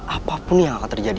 apapun yang akan terjadi